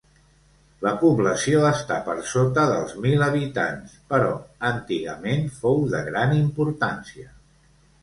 La població està per sota dels mil habitants però antigament fou de gran importància.